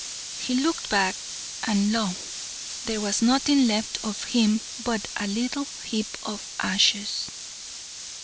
He looked back, and lo! there was nothing left of him but a little heap of ashes!